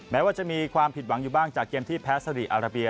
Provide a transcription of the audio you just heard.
แม้ว่าจะมีความผิดหวังอยู่บ้างจากเกมที่แพ้สรีอาราเบีย